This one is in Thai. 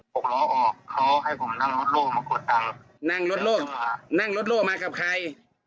กล้อออกเขาให้ผมมานั่งรถโล่งมากดตังค์นั่งรถโล่งนั่งรถโล่มากับใคร